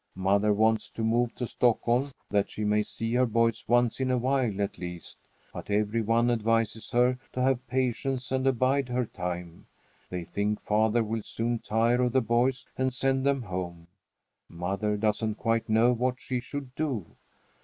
Mother wants to move to Stockholm that she may see her boys once in a while, at least, but every one advises her to have patience and abide her time. They think father will soon tire of the boys and send them home. Mother doesn't quite know what she should do.